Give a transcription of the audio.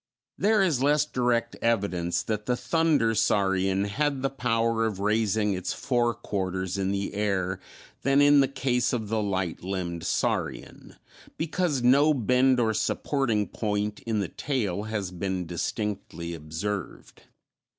There is less direct evidence that the "thunder saurian" had the power of raising its fore quarters in the air than in the case of the "light limbed saurian," because no bend or supporting point in the tail has been distinctly observed.